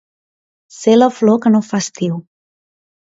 Ser la flor que no fa estiu.